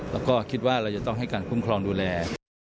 แล้วก็คิดว่าเราจะต้องให้การคุ้มครองดูแล